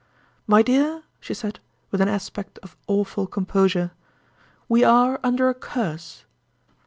"My dear," she said, with an aspect of awful composure, "we are under a Curse."